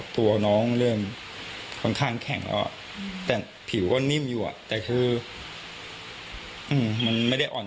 ตอนนั้นเชียวช็อคมาก